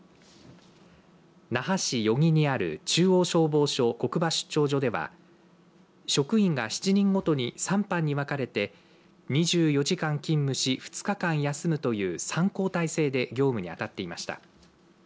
那覇市与儀にある中央消防署国場出張所では職員が７人ごとに３班に分かれて２４時間勤務し２日間休むという３交代制で業務にあたっていました。